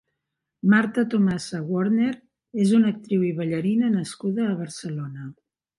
Marta Tomasa Worner és una actriu i ballarina nascuda a Barcelona.